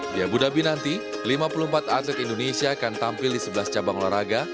di abu dhabi nanti lima puluh empat atlet indonesia akan tampil di sebelas cabang olahraga